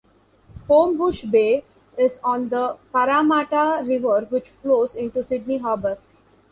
Homebush Bay is on the Parramatta River which flows into Sydney Harbour.